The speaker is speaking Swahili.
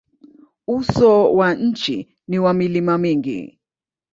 Uso wa nchi ni wa milima mingi.